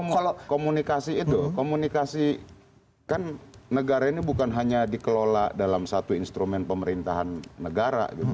kalau komunikasi itu komunikasi kan negara ini bukan hanya dikelola dalam satu instrumen pemerintahan negara gitu